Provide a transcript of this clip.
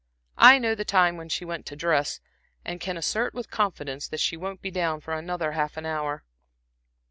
"I know the time when she went to dress, and can assert with confidence that she won't be down for another half hour."